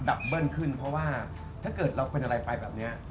ับเบิ้ลขึ้นเพราะว่าถ้าเกิดเราเป็นอะไรไปแบบนี้